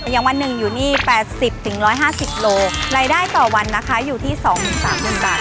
ยังวันหนึ่งอยู่นี่แปดสิบถึงร้อยห้าสิบโลรายได้ต่อวันนะคะอยู่ที่สองถึงสามบนบาท